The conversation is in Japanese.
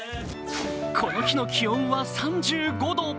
この日の気温は３５度。